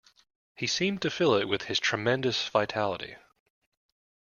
He seemed to fill it with his tremendous vitality.